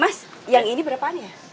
mas yang ini berapaan ya